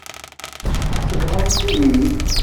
Tsebɣem-ten-id.